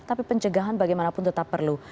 tapi pencegahan bagaimanapun tetap perlu